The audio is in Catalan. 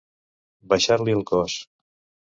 Baixar-li el cos.